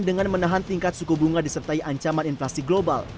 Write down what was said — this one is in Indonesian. dengan menahan tingkat suku bunga disertai ancaman inflasi global